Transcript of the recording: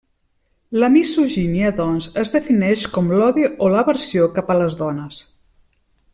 La misogínia doncs es defineix com l'odi o l'aversió cap a les dones.